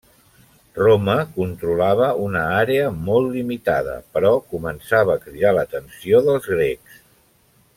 Roma controlava una àrea molt limitada però començava cridar l'atenció dels grecs.